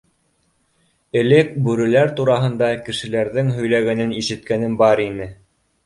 Элек бүреләр тураһында кешеләрҙең һөйләгәнен ишеткәнем бар ине.